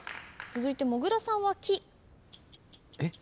続いてもぐらさんは「き」えっ？